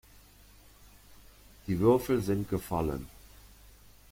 Die Würfel sind gefallen.